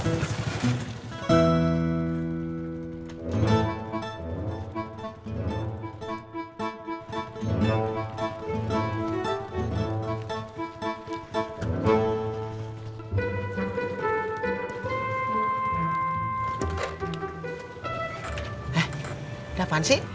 eh udah apaan sih